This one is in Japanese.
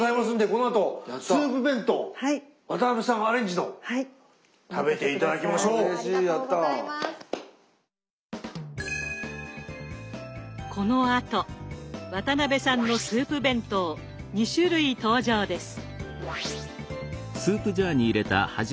このあと渡辺さんのスープ弁当２種類登場です。